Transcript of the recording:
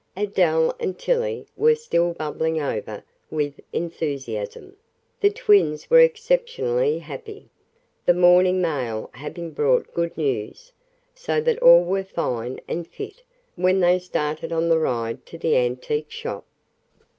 Adele and Tillie were still bubbling over with enthusiasm, the twins were exceptionally happy, the morning mail having brought good news so that all were "fine and fit" when they started on the ride to the antique shop.